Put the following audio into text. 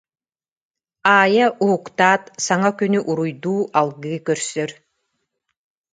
Аайа уһуктаат саҥа күнү уруйдуу, алгыы көрсөр.